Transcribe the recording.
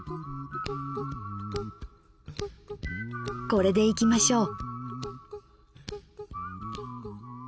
これでいきましょう。